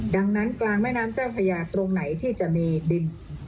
ดังนั้นกลางแม่น้ำเจ้าพญาตรงไหนที่จะมีดิน